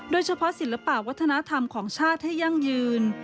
โดยเฉพาะศิลปะวัฒนธรรมของชาติให้ยั่งยืน